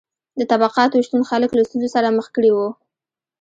د طبقاتو شتون خلک له ستونزو سره مخ کړي وو.